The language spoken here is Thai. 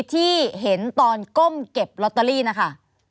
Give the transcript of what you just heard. ที่เห็นตอนก้มเก็บลอตเตอรี่นะคะ